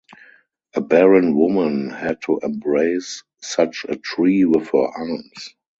A barren woman had to embrace such a tree with her arms.